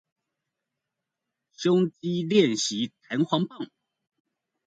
胸肌練習彈簧棒